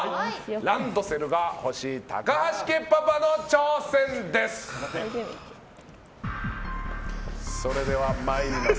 ランドセルが欲しい高橋家パパの挑戦です。